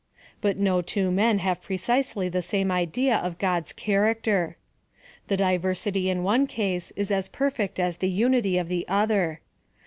But no two men have precisely the same idea of God's character. The diversity in one case is as perfect as the unity of the other.